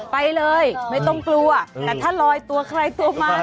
ไปเลยไม่ต้องกลัวแต่ถ้าลอยตัวใครตัวมา